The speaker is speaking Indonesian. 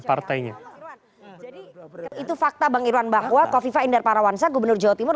jadi itu fakta bang irwan bahwa kofifa indar parawansa gubernur jawa timur